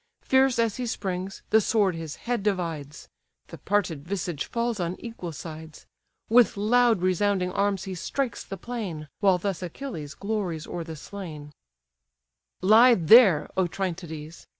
Fierce as he springs, the sword his head divides: The parted visage falls on equal sides: With loud resounding arms he strikes the plain; While thus Achilles glories o'er the slain: "Lie there, Otryntides!